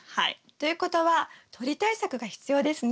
ということは鳥対策が必要ですね。